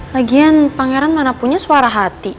lagian pangeran mana punya suara hati